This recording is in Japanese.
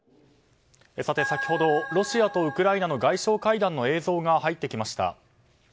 先ほどロシアとウクライナの外相会談の映像が入ってきました。